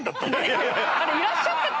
いらっしゃった？